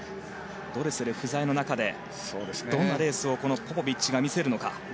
ドレセル不在の中でどんなレースをポポビッチが見せるのか。